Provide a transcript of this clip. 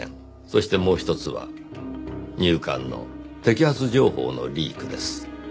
そしてもう一つは入管の摘発情報のリークです。